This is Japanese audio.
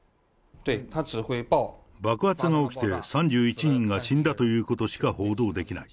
爆発が起きて３１人が死んだということしか報道できない。